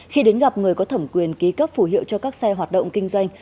khi đến gặp người có thẩm quyền ký cấp phủ hiệu cho các xe hoạt động kinh doanh